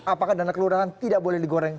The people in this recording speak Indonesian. apakah dana kelurahan tidak boleh digoreng